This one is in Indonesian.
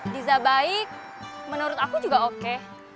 giza baik menurut aku juga oke